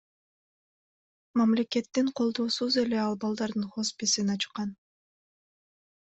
Мамлекеттин колдоосусуз эле ал балдардын хосписин ачкан.